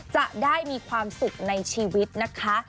จะได้มีความสุขในชีวิตนะคะ